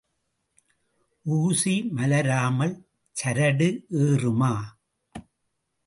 ஊசி மலராமல் சரடு ஏறுமா?